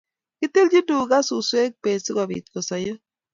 Kitilchini tuga suswek peet si kobit kosaiyo